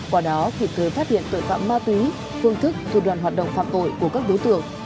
qua đó kịp thời phát hiện tội phạm ma túy phương thức thủ đoàn hoạt động phạm tội của các đối tượng